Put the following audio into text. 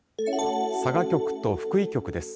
佐賀局と福井局です。